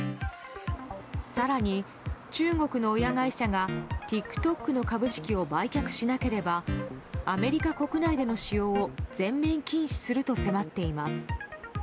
更に、中国の親会社がＴｉｋＴｏｋの株式を売却しなければアメリカ国内での使用を全面禁止すると迫っています。